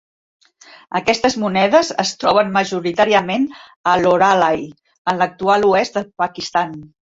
Aquestes monedes es troben majoritàriament a Loralai, en l'actual oest del Pakistan.